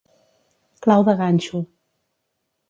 Clau de ganxo.